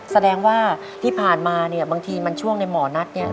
แสดงว่าที่ผ่านมาเนี่ยบางทีมันช่วงในหมอนัทเนี่ย